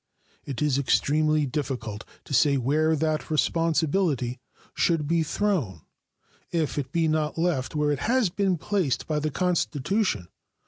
It is extremely difficult to say where that responsibility should be thrown if it be not left where it has been placed by the Constitution.